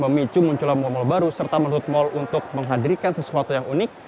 memicu munculan pemelabaran baru serta menurut mal untuk menghadirkan sesuatu yang unik